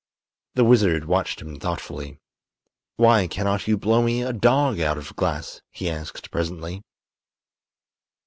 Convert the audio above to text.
The wizard watched him thoughtfully. "Why cannot you blow me a dog out of glass?" he asked, presently.